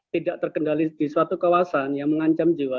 tidak terkendali di suatu kawasan yang mengancam jiwa